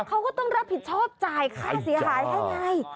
เขาก็ต้องรับผิดชอบจ่ายค่าเสียหายให้ไง